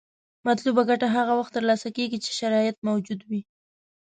مطلوبه ګټه هغه وخت تر لاسه کیږي چې شرایط موجود وي.